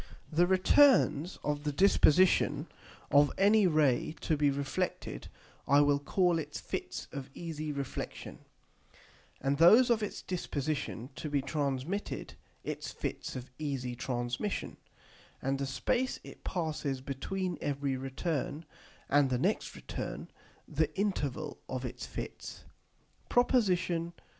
The returns of the disposition of any Ray to be reflected I will call its Fits of easy Reflexion, and those of its disposition to be transmitted its Fits of easy Transmission, and the space it passes between every return and the next return, the Interval of its Fits. PROP. XIII.